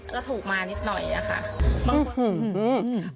ก็ถูกมานิดหน่อยอ่ะค่ะ